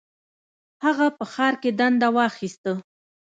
هغه په ښار کې دنده واخیسته.